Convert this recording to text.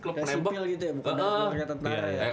kayak sipil gitu ya bukan orang tentara ya